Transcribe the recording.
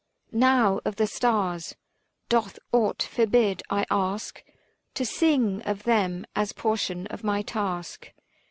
Now of the stars : Doth aught forbid, I ask, To sing of them, as portion of my task